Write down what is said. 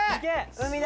海だ！